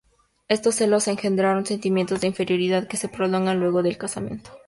Estos celos engendraron sentimientos de inferioridad que se prolongaron luego del casamiento.